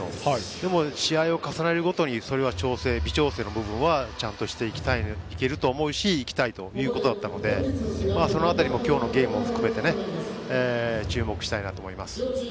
でも、試合を重ねるごとに微調整の部分はちゃんとしていけるとおもうししていきたいということだったのでその辺りも今日のゲーム含めて注目したいなと思います。